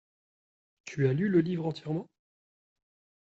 Tu as lu le livre entièrement ?